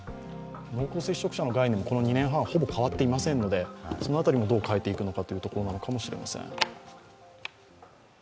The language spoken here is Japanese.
濃厚接触者の概念もこの２年半、ほぼ変わっていませんのでその辺りもどう変えていくのかというところなのかもしれません。